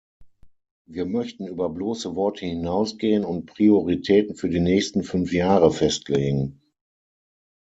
Wir möchten über bloße Worte hinausgehen und Prioritäten für die nächsten fünf Jahre festlegen.